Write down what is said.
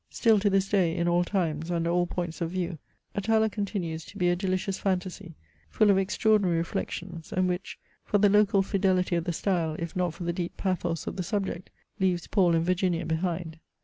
Still to this day, in all times, under all points of view, Atala continues to he a deli cious fantasy, full of extraordinary reflexions, and which, for the local fidelity of the style, if not for the deep pathos of the subject, leaves Paul and Virginia behind.